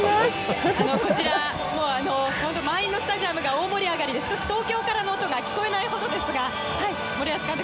満員のスタジアムが大盛り上がりで、東京からの音が聞こえないほどですが森保監督